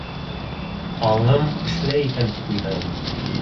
Аңым эшләй икән, тип уйлайым.